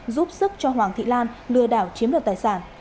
giúp sức cho hoàng thị lan lừa đảo chiếm đoạt tài sản